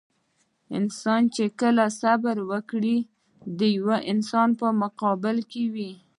انسان چې کله صبر کوي د يوه انسان په مقابل کې وي.